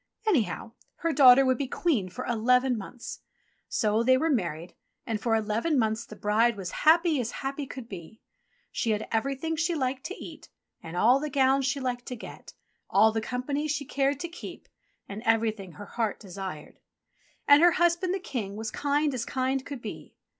Anyhow, her daughter would be Queen for eleven months. So they were married, and for eleven months the bride was happy as happy could be. She had everything she liked to eat, and all the gowns she liked to get, all the company she cared to keep, and everything her heart desired. And her husband the King was kind as kind could be.